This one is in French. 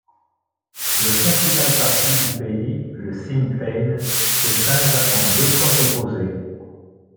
Le principal parti du pays, le Sinn Féin se scinde en deux camps opposés.